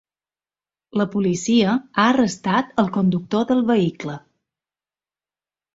La policia ha arrestat el conductor del vehicle.